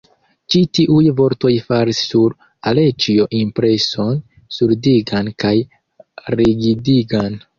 Ĉi tiuj vortoj faris sur Aleĉjo impreson surdigan kaj rigidigan.